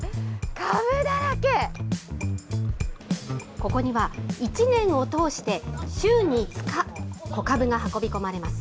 ここには、１年を通して、週３日、小かぶが運び込まれます。